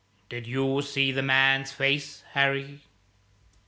"Did you see the man's face, Harry?"